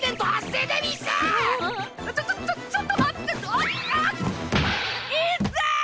ちょちょちょっと待ってあっ！